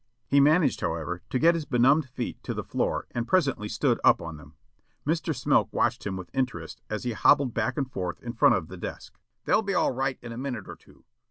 He managed, however, to get his benumbed feet to the floor and presently stood up on them. Mr. Smilk watched him with interest as he hobbled back and forth in front of the desk. "They'll be all right in a minute or two.